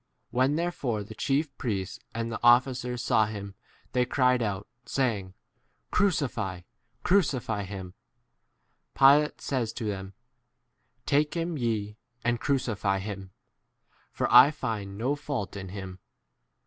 6 When therefore the chief priests and the officers saw him they cried out, saying, Crucify, crucify [him]. Pilate says to them, Take him ye * and crucify [him], for I* find no 7 fault in him.